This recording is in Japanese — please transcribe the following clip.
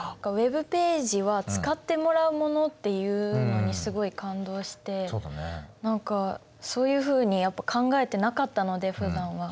「Ｗｅｂページは使ってもらうもの」っていうのにすごい感動して何かそういうふうに考えてなかったのでふだんは。